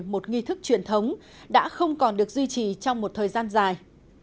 một nghi thức truyền thống đã không còn được duy trì trong một thời gian dài